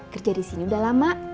kerja disini udah lama